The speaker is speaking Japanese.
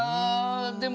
でも。